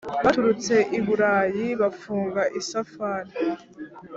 Baturutse i Bulayi, bafunga isafari :